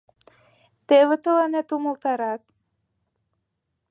— Теве тыланет умылтарат.